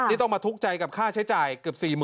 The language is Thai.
นี่ต้องมาทุกข์ใจกับค่าใช้จ่ายเกือบ๔๐๐๐